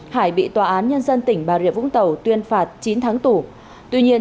hải bị tòa án nhân dân tỉnh bà rịa vũng tàu tuyên phạt chín tháng tù tuy nhiên